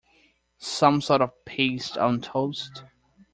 Some sort of paste on toast.